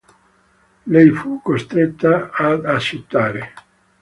Lei fu costretta ad accettare.